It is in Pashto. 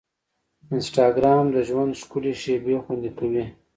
انسټاګرام د ژوند ښکلي شېبې خوندي کوي.